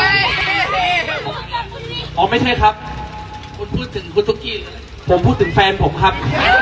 นะครับแท็กท็อกไปหาเค้าด้วยนะครับบอกว่าผมขี้เผ็ดนะครับ